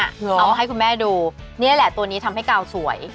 เอาให้คุณแม่ดูนี่แหละตัวนี้ทำให้กาวสวย